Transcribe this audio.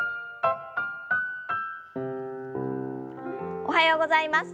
おはようございます。